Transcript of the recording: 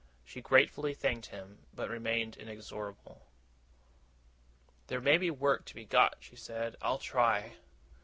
She gratefully thanked him but remained inexorable. 'There may be work to be got,' she said. 'I'll try.